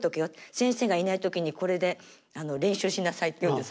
先生がいない時にこれで練習しなさいって言うんです。